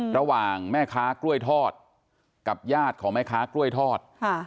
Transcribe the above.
ระหว่างแม่ค้ากล้วยทอดกับญาติของแม่ค้ากล้วยทอด